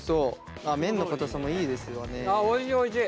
あっおいしいおいしい。